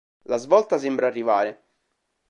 La svolta sembra arrivare.